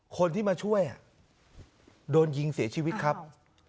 คนที่มาช่วยโดนยิงเสียชีวิตครับ